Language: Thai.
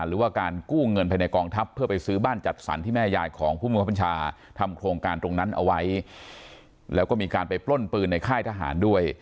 หรือว่าการกู้เงินภายในกองทัพเพื่อไปซื้อบ้านจัดสรรที่แม่ยายของผู้บังคับบัญชาทำโครงการตรงนั้นเอาไว้แล้วก็มีการไปปล้นปืนในค่ายทหารด้วย